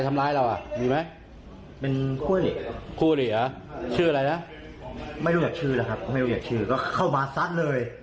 ตุ้มซ้ายนี่ครับ๒๔๕หมัด